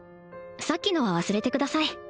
さっきのは忘れてください